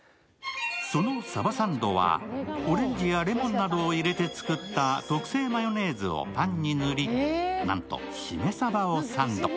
そのさばサンドはオレンジやレモンなどを入れて作った特製マヨネーズをパンに塗りなんと、しめさばをサンド。